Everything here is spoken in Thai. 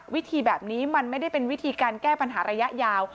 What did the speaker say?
วิธีแบบนี้มันไม่ได้เป็นวิธีการแก้ปัญหาระยะยาว